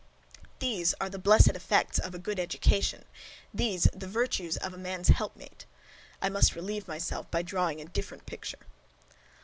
These are the blessed effects of a good education! these the virtues of man's helpmate. I must relieve myself by drawing a different picture.